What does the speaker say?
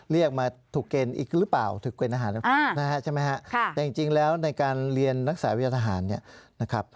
เรียกมาถูกเกณฑ์อีกหรือเปล่าถูกเกณฑบนอาหารใช่ไหม